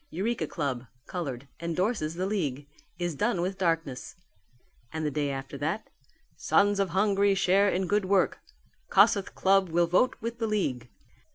Eureka Club (Coloured) endorses the League; Is done with Darkness"; and the day after that, "Sons of Hungary Share in Good Work: Kossuth Club will vote with the League."